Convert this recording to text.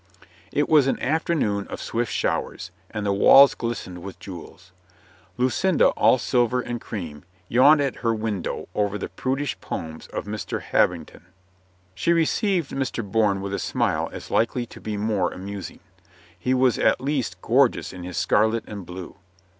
It was an afternoon of swift showers, and the walls glistened with jewels. Lucinda, all silver and cream, yawned at her window over the prudish poems of Mr. Habington. She received Mr. Bourne with a smile as likely to be more amusing. He was at least gorgeous in his scarlet and blue.